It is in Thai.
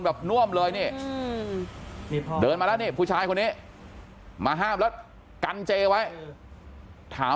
น่วมเลยนี่เดินมาแล้วนี่ผู้ชายคนนี้มาห้ามแล้วกันเจไว้ถาม